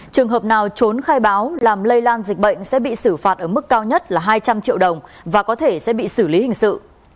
trường hợp nào trốn khai báo làm lây lan dịch bệnh sẽ bị xử phạt ở mức cao nhất là hai trăm linh triệu đồng và có thể sẽ bị xử lý hình sự